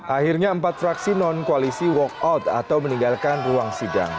akhirnya empat fraksi non koalisi walk out atau meninggalkan ruang sidang